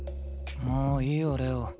もういいよ玲王。